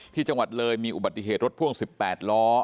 ที่จังหวัดเลยมีอุบัติเหตุรถพ่วง๑๘ล้อ